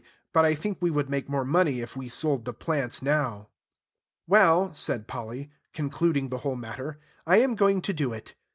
But I think we would make more money if we sold the plants now." "Well," said Polly, concluding the whole matter, "I am going to do it."